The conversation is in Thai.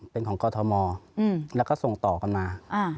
เป็นของกรทมแล้วก็ส่งต่อกันมา